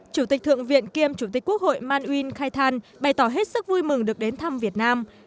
chủ tịch thượng viện kiêm chủ tịch quốc hội man uyên khai thàn bày tỏ hết sức vui mừng được đến thăm việt nam